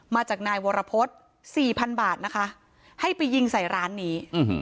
มาจากนายวรพฤษสี่พันบาทนะคะให้ไปยิงใส่ร้านนี้